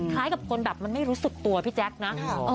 กับคนแบบมันไม่รู้สึกตัวพี่แจ๊คนะ